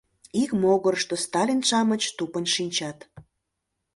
Ик могырышто Сталин-шамыч тупынь шинчат.